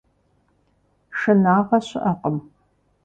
Шынагъэ щыӀэкъым.